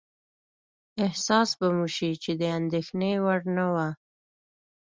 احساس به مو شي چې د اندېښنې وړ نه وه.